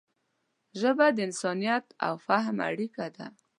ژبه د انسانیت او فهم اړیکه ده